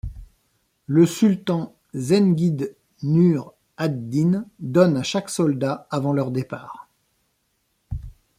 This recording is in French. Le sultan zengide Nur ad-Din donne à chaque soldat avant leur départ.